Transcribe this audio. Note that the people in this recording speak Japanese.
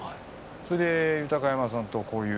それで豊山さん